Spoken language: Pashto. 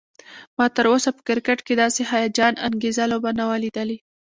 ما تراوسه په کرکټ کې داسې هيجان انګیزه لوبه نه وه لیدلی